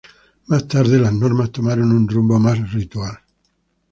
Más tarde, las normas tomaron un rumbo más ritual.